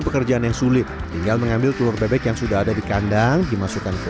pekerjaan yang sulit tinggal mengambil telur bebek yang sudah ada di kandang dimasukkan ke